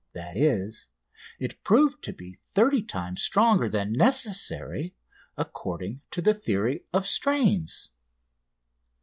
that is, it proved to be thirty times stronger than necessary according to the theory of strains.